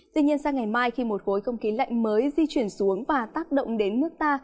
tuy nhiên sang ngày mai khi một khối không khí lạnh mới di chuyển xuống và tác động đến nước ta